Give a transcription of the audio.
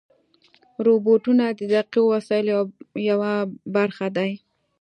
روبوټونه د دقیقو وسایلو یوه برخه دي.